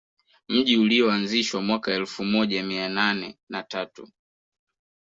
Mji ulioanzishwa mwaka elfu moja mia nane na tatu